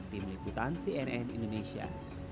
tim liputan cnn indonesia